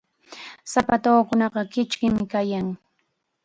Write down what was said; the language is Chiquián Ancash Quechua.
Sapatuukunaqa kichkim kayan.